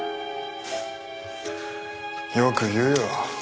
フッよく言うよ。